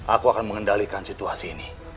aku akan mengendalikan situasi ini